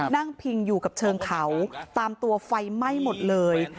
นั่งพิงอยู่กับเชิงเขาตามตัวไฟไหม้หมดเลย